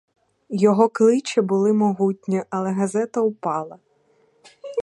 Його кличі були могутні, але газета упала.